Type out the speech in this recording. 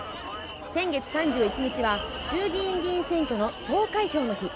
先月３１日は衆議院議員選挙の投開票の日。